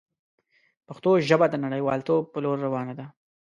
پښتو ژبه د نړیوالتوب په لور روانه ده.